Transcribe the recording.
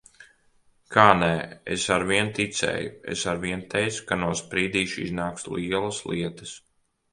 Kā nē? Es arvien ticēju! Es arvien teicu, ka no Sprīdīša iznāks lielas lietas.